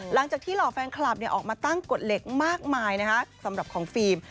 หลังจากที่หลอกแฟนคลับเนี่ยออกมาตั้งกดเล็กมากมายนะฮะสำหรับของฟิล์ม